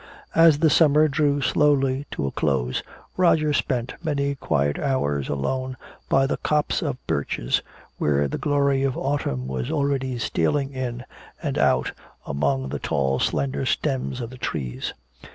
As the summer drew slowly to a close, Roger spent many quiet hours alone by the copse of birches, where the glory of autumn was already stealing in and out among the tall slender stems of the trees.